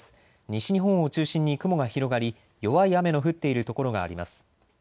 西日本を中心に雲が広がり弱い雨の降っている所があります。